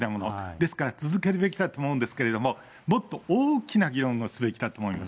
ですから、続けるべきだと思うんですけれども、もっと大きな議論をすべきだと思います。